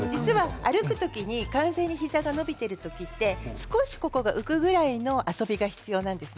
歩く時に完全に膝が伸びている時は少し浮くぐらいの遊びが必要なんです。